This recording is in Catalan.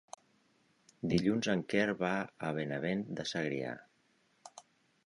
Dilluns en Quer va a Benavent de Segrià.